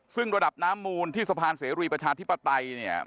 ซึ่งระดับน้ำมูลที่สะพานเสรีประชาธิปไตยเนี่ย